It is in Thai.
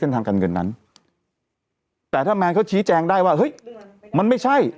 ทางการเงินนั้นแต่ถ้าแมนเขาชี้แจงได้ว่าเฮ้ยมันไม่ใช่